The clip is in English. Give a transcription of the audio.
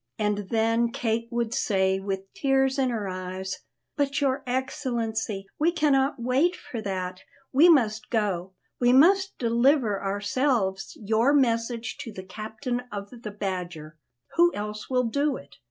And then Kate would say, with tears in her eyes: "But, your Excellency, we cannot wait for that; we must go, we must deliver ourselves your message to the captain of the Badger. Who else will do it?